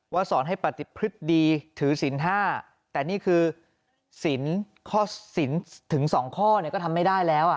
สอนให้ปฏิพฤติดีถือศีล๕แต่นี่คือสินข้อสินถึง๒ข้อเนี่ยก็ทำไม่ได้แล้ว